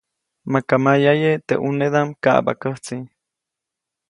Maka mayaʼye teʼ ʼnunedaʼm kaʼbaʼkäjtsi.